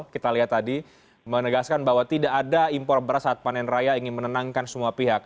kita lihat tadi menegaskan bahwa tidak ada impor beras saat panen raya ingin menenangkan semua pihak